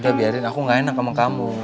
ya biarin aku gak enak sama kamu